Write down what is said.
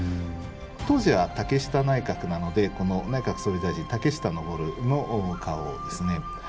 当時は竹下内閣なのでこの内閣総理大臣竹下登の花押ですね。